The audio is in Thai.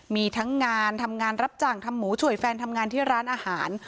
มีทั้งงานทำงานรับจ้างทำหมูช่วยแฟนทำงานที่ร้านอาหาร